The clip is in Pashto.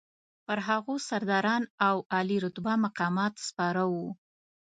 پر هغو سرداران او عالي رتبه مقامات سپاره وو.